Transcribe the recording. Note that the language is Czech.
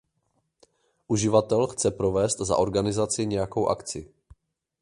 Uživatel chce provést za organizaci nějakou akci.